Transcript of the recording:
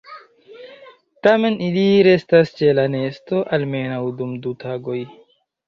Tamen ili restas ĉe la nesto almenaŭ dum du tagoj.